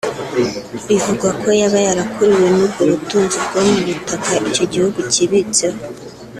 bivugwa ko yaba yarakuruwe n’ubwo butunzi bwo mu butaka icyo gihugu cyibitseho